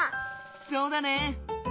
そうだね。